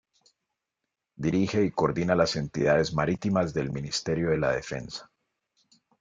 Dirige y coordina las entidades marítimas del Ministerio de la Defensa.